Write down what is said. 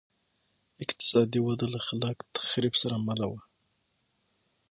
اقتصادي وده له خلاق تخریب سره مله وه